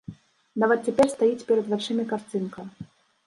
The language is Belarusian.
Нават цяпер стаіць перад вачыма карцінка.